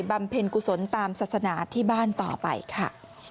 เพ็ญกุศลตามศาสนาที่บ้านต่อไปค่ะ